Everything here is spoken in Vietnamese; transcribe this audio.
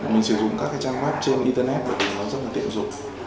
mình sử dụng các trang web trên internet nó rất tiện dụng